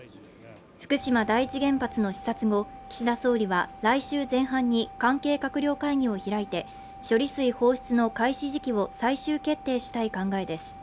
福島第一原発の視察後、岸田宗理は来週前半に関係閣僚会議を開いて処理水放出の開始時期を最終決定したい考えです。